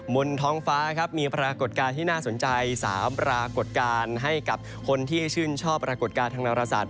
บนท้องฟ้าครับมีปรากฏการณ์ที่น่าสนใจ๓ปรากฏการณ์ให้กับคนที่ชื่นชอบปรากฏการณ์ทางนาราศาสต